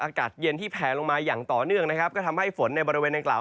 อากาศเย็นที่แผลลงมาอย่างต่อเนื่องนะครับก็ทำให้ฝนในบริเวณดังกล่าว